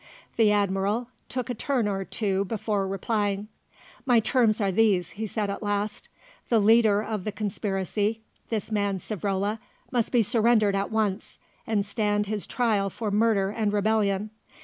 The Admiral took a turn or two before replying. "My terms are these," he said at last. "The leader of the conspiracy this man, Savrola must be surrendered at once and stand his trial for murder and rebellion.